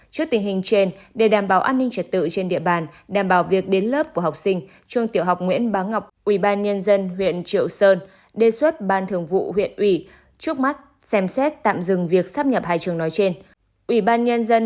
trước tình hình trên để đảm bảo an ninh trật tự trên địa bàn đảm bảo việc đến lớp của học sinh trường tiểu học nguyễn bá ngọc ủy ban nhân dân huyện triệu sơn đề xuất ban thường vụ huyện ủy trước mắt xem xét tạm dừng việc sắp nhập hai trường nói trên